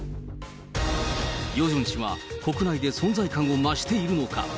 ヨジョン氏は、国内で存在感を増しているのか。